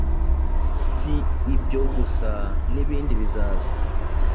Si ibyo gusa nibindi bizaza